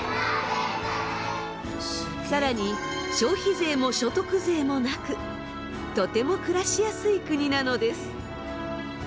更に消費税も所得税もなくとても暮らしやすい国なのです。